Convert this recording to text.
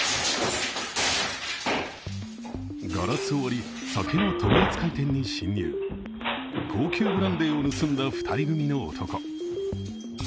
ガラスを割り、酒の取扱店に侵入高級ブランデーを盗んだ２人組の男。